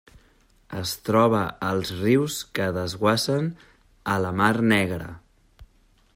Es troba als rius que desguassen a la Mar Negra.